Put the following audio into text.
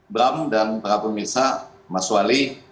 bram dan para pemirsa mas wali